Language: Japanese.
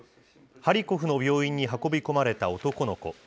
ハリコフの病院に運び込まれた男の子。